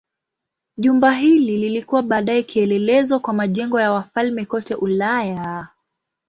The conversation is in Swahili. Jumba hili lilikuwa baadaye kielelezo kwa majengo ya wafalme kote Ulaya.